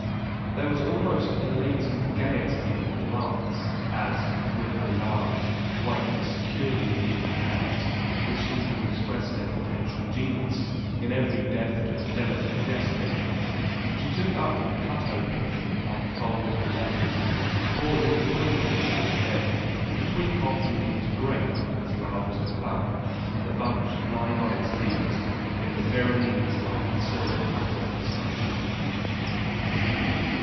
There was almost a latent gaiety in her glance, as, with her large, white, securely moving hands, which seemed to express their potential genius in every deft and delicate gesture, she took up and cut open and unfolded her letters, pausing between them now and then to tweak off and eat a grape as large as a plum from the bunch lying on its leaves in a Veronese like silver platter beside her.